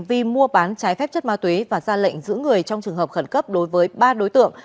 vì mua bán trái phép chất ma túy và ra lệnh giữ người trong trường hợp khẩn cấp đối với ba đối tượng